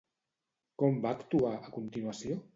Com va actuar, a continuació?